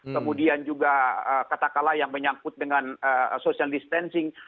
kemudian juga katakanlah yang menyangkut dengan social distancing